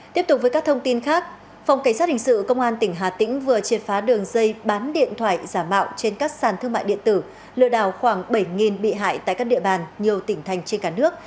tiếp tục với các thông tin khác phòng cảnh sát hình sự công an tỉnh hà tĩnh vừa triệt phá đường dây bán điện thoại giả mạo trên các sàn thương mại điện tử lừa đào khoảng bảy bị hại tại các địa bàn nhiều tỉnh thành trên cả nước